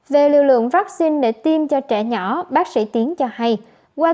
về lưu lượng vaccine để tiêm cho trẻ nhỏ bác sĩ tiến cho hay qua các nghiên cứu này